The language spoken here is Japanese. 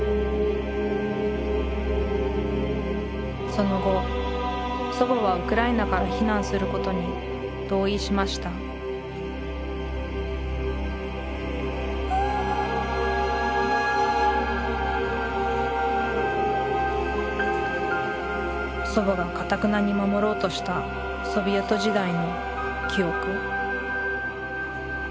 その後祖母はウクライナから避難することに同意しました祖母がかたくなに守ろうとしたソビエト時代の「記憶」